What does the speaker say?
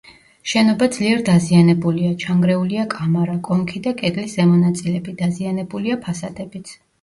შენობა ძლიერ დაზიანებულია: ჩანგრეულია კამარა, კონქი და კედლის ზემო ნაწილები; დაზიანებულია ფასადებიც.